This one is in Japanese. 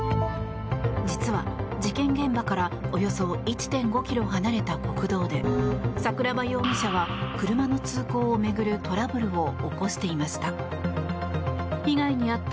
実は事件現場からおよそ１．５ｋｍ離れた国道で桜庭容疑者は車の通行を巡るトラブルを起こしていました。